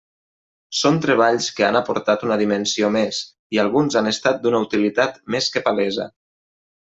Són treballs que han aportat una dimensió més, i alguns han estat d'una utilitat més que palesa.